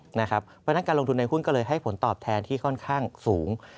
เพราะฉะนั้นการลงทุนในหุ้นก็เลยให้ผลตอบแทนที่ค่อนข้างสูง